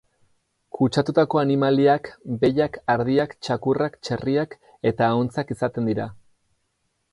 Kutsatutako animaliak behiak, ardiak, txakurrak, txerriak eta ahuntzak izaten dira.